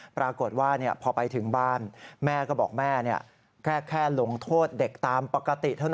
ปรากฏว่าพอไปถึงบ้านแม่ก็บอกแม่แค่ลงโทษเด็กตามปกติเท่านั้น